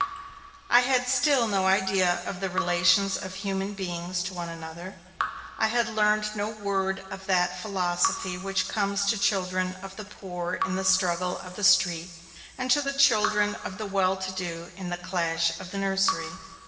I had still no idea of the relations of human beings to one another; I had learned no word of that philosophy which comes to the children of the poor in the struggle of the street and to the children of the well to do in the clash of the nursery.